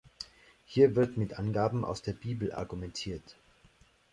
Hier wird mit Angaben aus der Bibel argumentiert.